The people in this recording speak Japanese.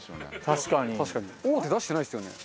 確かに大手出してないですよね。